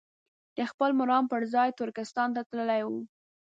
د خپل مرام پر ځای ترکستان ته تللي وي.